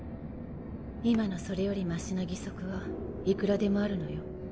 今のそれよりましな義足はいくらでもあるのよ？